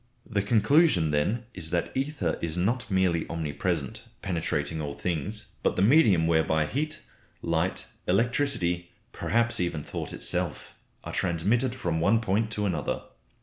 The conclusion then is that ether is not merely omnipresent, penetrating all things, but the medium whereby heat, light, electricity, perhaps even thought itself, are transmitted from one point to another.